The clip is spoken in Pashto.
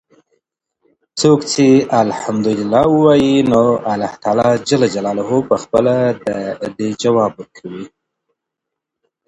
څوک چې الحمد لله ووايي نو الله تعالی په خپله ددي جواب ورکوي